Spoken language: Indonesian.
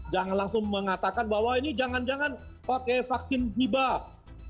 jangan langsung mengatakan bahwa ini jangan jangan pakai vaksin hibah